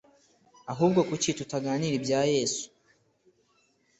Ahubwo kuki tutaganira ibya Yesu?